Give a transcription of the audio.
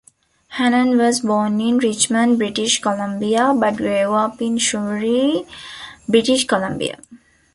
Hannan was born in Richmond, British Columbia, but grew up in Surrey, British Columbia.